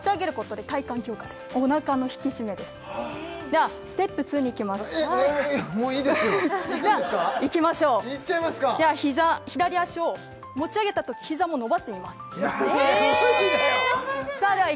では膝左足を持ち上げたとき膝も伸ばしてみますえーっ？